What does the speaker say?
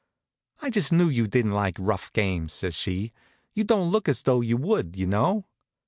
"I just knew you didn't like rough games," says she. "You don't look as though you would, you know."